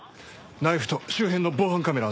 ナイフと周辺の防犯カメラ